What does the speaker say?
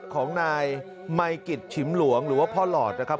ของนายมัยกิจฉิมหลวงหรือว่าพ่อหลอดนะครับ